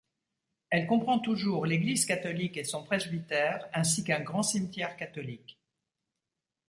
Elle comprend toujours l'église catholique et son presbytère ainsi qu'un grand cimetière catholique.